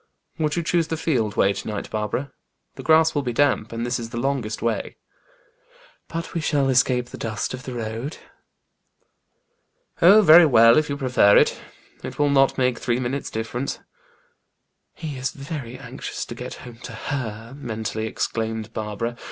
"Would you choose the field way to night, Barbara? The grass will be damp, and this is the longest way." "But we shall escape the dust of the road." "Oh, very well, if you prefer it. It will not make three minutes' difference." "He is very anxious to get home to her!" mentally exclaimed Barbara.